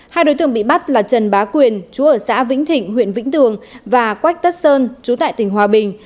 hai đối tượng bị bắt là trần bá quyền chú ở xã vĩnh thịnh huyện vĩnh tường và quách tất sơn chú tại tỉnh hòa bình